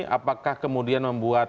apakah kemudian membuat